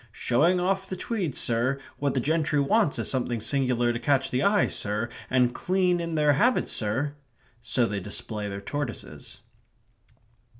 "Showing off the tweed, sir; what the gentry wants is something singular to catch the eye, sir and clean in their habits, sir!" So they display their tortoises.